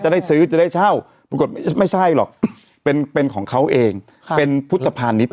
ได้ซื้อจะได้เช่าปรากฏไม่ใช่หรอกเป็นเป็นของเขาเองเป็นพุทธภานิษฐ์